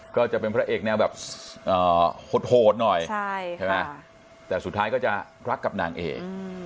ก็จะเป็นพระเอกแนวแบบโหดหน่อยใช่ไหมแต่สุดท้ายก็จะรักกับนางเอก